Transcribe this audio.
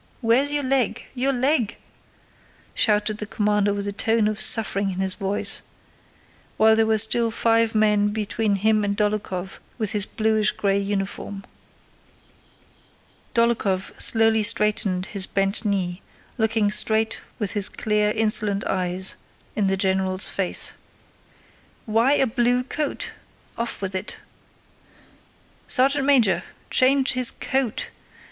Where's your leg? Your leg?" shouted the commander with a tone of suffering in his voice, while there were still five men between him and Dólokhov with his bluish gray uniform. Dólokhov slowly straightened his bent knee, looking straight with his clear, insolent eyes in the general's face. "Why a blue coat? Off with it... Sergeant major! Change his coat...